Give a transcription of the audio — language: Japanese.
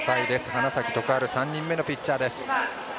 花咲徳栄、３人目のピッチャー。